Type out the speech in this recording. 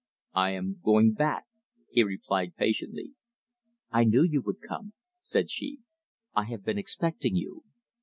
"I am going back," he replied patiently. "I knew you would come," said she. "I have been expecting you."